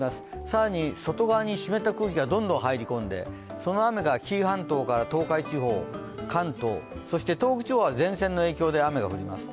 更に外側に湿った空気がどんどん入り込んでその雨が紀伊半島から東海地方、関東、そして東北地方は前線の影響で雨が降ります。